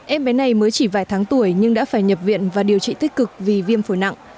em bé này mới chỉ vài tháng tuổi nhưng đã phải nhập viện và điều trị tích cực vì viêm phổi nặng